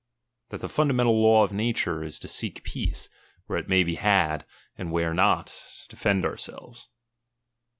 Tliat the funiiamental law of nature, is to seek peace, wliere it may be bad, and nhere not, to defend ourselves.